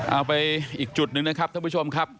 เอาไปอีกจุดหนึ่งนะครับท่านผู้ชมครับ